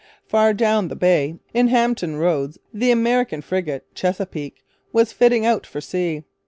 Far down the bay, in Hampton Roads, the American frigate Chesapeake was fitting out for sea.